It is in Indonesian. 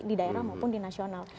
di daerah maupun di nasional